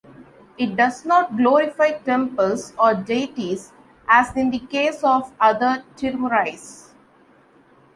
It does not glorify temples or deities as in the case of other "Tirumurais".